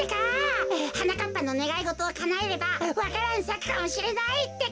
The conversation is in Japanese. はなかっぱのねがいごとをかなえればわか蘭さくかもしれないってか。